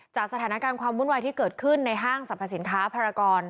จากสถานการณ์ความวุ่นวายที่เกิดขึ้นในห้างสรรพสินค้าภารกร